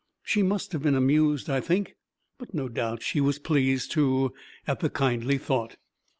She must have been amused, I think, but no doubt she was pleased, too, at the kindly thought.